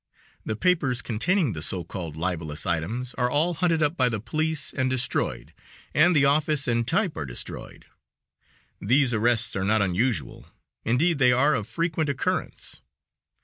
The papers containing the so called libelous items are all hunted up by the police and destroyed, and the office and type are destroyed. These arrests are not unusual; indeed they are of frequent occurrence.